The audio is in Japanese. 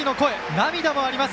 涙もあります。